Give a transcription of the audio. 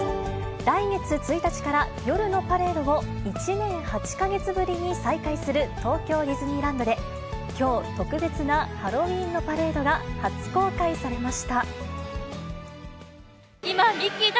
来月１日から夜のパレードを１年８か月ぶりに再開する東京ディズニーランドで、きょう、特別なハロウィーンのパレードが初公開されました。